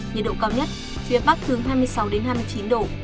nhiệt độ cao nhất phía bắc từ hai mươi sáu đến hai mươi chín độ